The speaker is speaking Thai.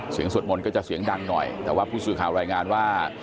สวดมนต์ก็จะเสียงดังหน่อยแต่ว่าผู้สื่อข่าวรายงานว่า